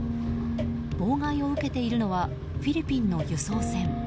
妨害を受けているのはフィリピンの輸送船。